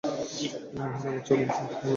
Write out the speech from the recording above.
এই মহিলা আবার চকলেট খুব পছন্দ করে।